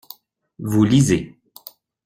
Vous lisez.